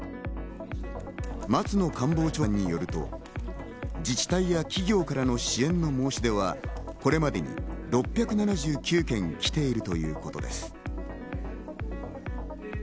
松野官房長官によると、自治体や企業からの支援の申し出はこれまでに６７９件来ているということです。